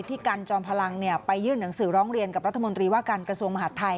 กันจอมพลังไปยื่นหนังสือร้องเรียนกับรัฐมนตรีว่าการกระทรวงมหาดไทย